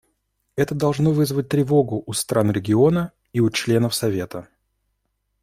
Это должно вызывать тревогу у стран региона и у членов Совета.